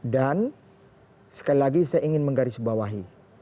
dan sekali lagi saya ingin menggaris bawahi